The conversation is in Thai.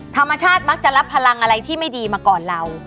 ธรรมชาติมักจะรับพลังอะไรที่ไม่ดีมาก่อนเรา